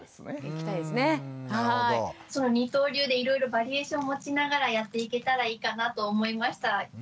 その二刀流でいろいろバリエーション持ちながらやっていけたらいいかなと思いました。